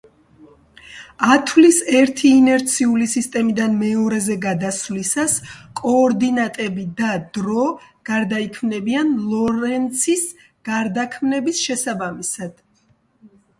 ათვლის ერთი ინერციული სისტემიდან მეორეზე გადასვლისას კოორდინატები და დრო გარდაიქმნებიან ლორენცის გარდაქმნების შესაბამისად.